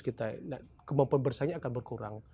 kemampuan bersaingnya akan berkurang